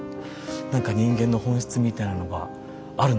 何か人間の本質みたいなのがあるのかなっていう。